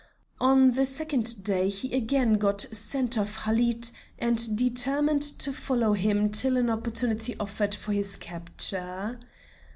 On the second day he again got scent of Halid and determined to follow him till an opportunity offered for his capture.